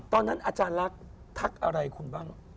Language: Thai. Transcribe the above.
ตอนนั้นอาจารย์ลักษณ์ทักอะไรคุณบ้าง